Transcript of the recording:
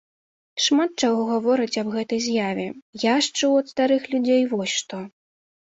Шмат чаго гавораць аб гэтай з'яве, я ж чуў ад старых людзей вось што.